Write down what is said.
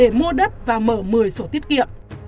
để mua đất và mở một mươi sổ tiết kiệm